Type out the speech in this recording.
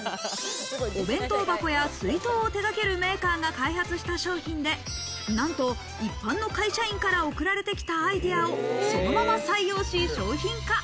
お弁当箱や水筒を手がけるメーカーが開発した商品で、なんと一般の会社員から送られてきたアイデアをそのまま採用し商品化。